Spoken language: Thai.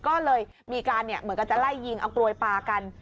ก็เลยมีการเหมือนกับจะไล่ยิงเอากลวยปลากัน